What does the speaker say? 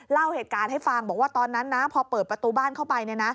เล่าเหตุการณ์ให้ฟังบอกว่าตอนนั้นนะพอเปิดประตูบ้านเข้าไป